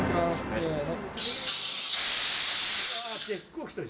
せの。